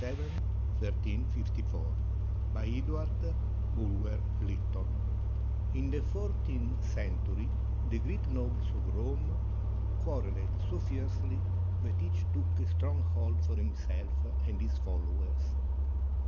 THE RULE OF RIENZI [1347 1354] BY EDWARD BULWER LYTTON [In the fourteenth century the great nobles of Rome quar reled so fiercely that each took a stronghold for himself and his followers.